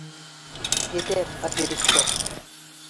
— Етәр, аферистка!